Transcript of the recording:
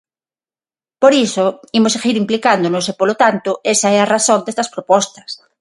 Por iso imos seguir implicándonos e, polo tanto, esa é a razón destas propostas.